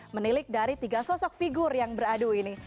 menilik dari tiga sosok figur yang beradu ini